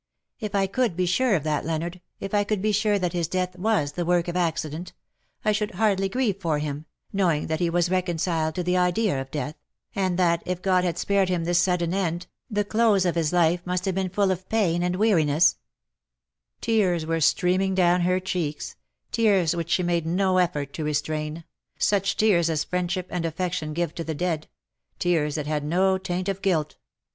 '* If I could be sure of that, Leonard, if I could be sure that his death was the work of accident — I should hardly grieve for him — knowing that he was reconciled to the idea of death — and that if God had spared him this sudden end, the close of 22 ^' WITH SUCH EEMORSELESS SPEED his life must have been full of pain and weari ness/^ Tears were streaming down her cheeks — tears which she made no effort to restrain — such tears as friendship and affection give to the dead — tears that had no taint of guilt.